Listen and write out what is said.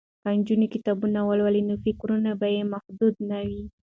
که نجونې کتابونه ولولي نو فکرونه به یې محدود نه وي.